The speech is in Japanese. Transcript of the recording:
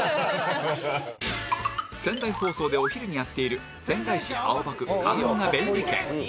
仙台放送でお昼にやっている『仙台市青葉区かのおが便利軒』